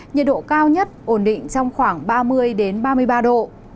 nhiệt độ cao nhất ổn định trong khoảng ba mươi ba mươi ba độ